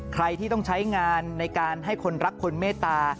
ใครที่ต้องใช้งานในการให้คนรักคนเมตตา